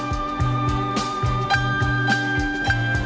hẹn gặp lại